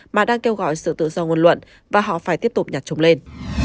mà đang kêu gọi sự tự do ngôn luận và họ phải tiếp tục nhặt chúng lên